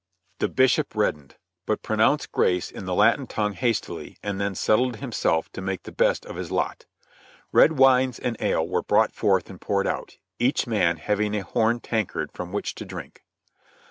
The Bishop pronounced grace in the Latin tongue hastily; and then settled himself to make the best of his lot. Red wines and ales were produced and poured out, each man having a horn tankard from which to drink.